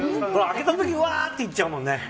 開けた時わーって言っちゃうもんね。